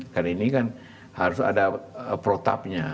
karena ini kan harus ada protapnya